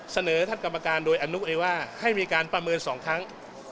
เสนอท่านกรรมการโดยอนุเลยว่าให้มีการประเมิน๒ครั้ง